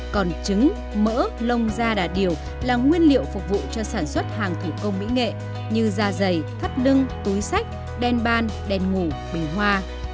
còn trứng mỡ lông da điều là nguyên liệu phục vụ cho sản xuất hàng thủ công mỹ nghệ như da dày thắt lưng túi sách đen ban đen ngủ bình hoa